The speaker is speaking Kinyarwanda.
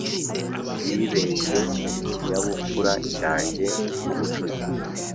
Bibeshye ikinyabupfura cyanjye kubucuti.